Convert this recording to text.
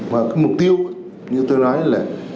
và mục tiêu như tôi nói là